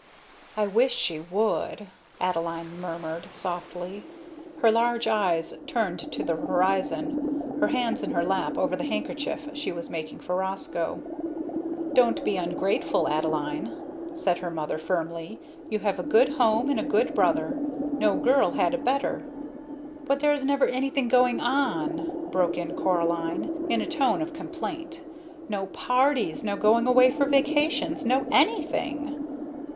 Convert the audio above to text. "I wish she would!" Adeline murmured, softly, her large eyes turned to the horizon, her hands in her lap over the handkerchief she was marking for Roscoe. "Don't be ungrateful, Adeline," said her mother, firmly. "You have a good home and a good brother; no girl ever had a better." "But there is never anything going on," broke in Coraline, in a tone of complaint; "no parties, no going away for vacations, no anything."